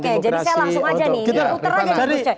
demokrasi oke jadi saya langsung aja nih